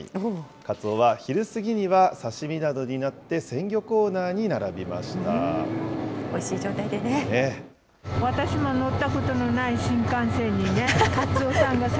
カツオは昼過ぎには刺身などになって、鮮魚コーナーに並びました。